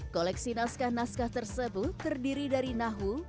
koleksi naskah naskah tersebut terdiri dari nahu